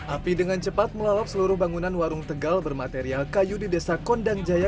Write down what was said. api dengan cepat melalap seluruh bangunan warung tegal bermaterial kayu di desa kondang jaya